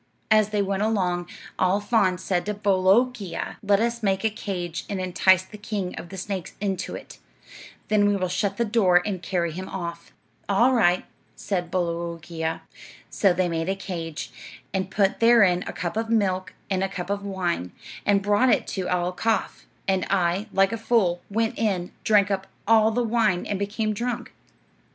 "As they went along, Al Faan said to Bolookeea, 'Let us make a cage and entice the king of the snakes into it; then we will shut the door and carry him off.' "'All right,' said Bolookeea. "So they made a cage, and put therein a cup of milk and a cup of wine, and brought it to Al Kaaf; and I, like a fool, went in, drank up all the wine and became drunk.